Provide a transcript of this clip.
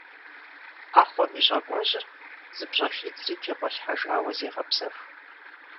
Ӏэхъуэм и щӏакӏуэжьыр зыпщӏэхидзри тегъуэлъхьэжауэ зегъэпсэху.